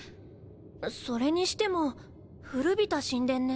それにしても古びた神殿ね。